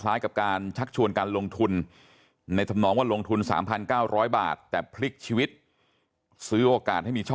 มูลความจริงที่พี่หนูได้เข้าใจแล้วก็สื่อสารออกไป